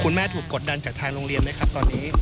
คุณแม่ถูกกดดันจากทางโรงเรียนไหมครับตอนนี้